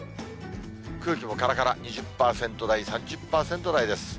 空気もからから、２０％台、３０％台です。